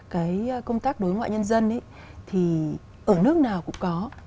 cái công tác đối ngoại nhân dân thì ở nước nào cũng có